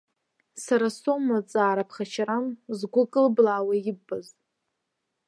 Сара соума, ҵаара ԥхашьарам, згәы кылблаауа иббаз?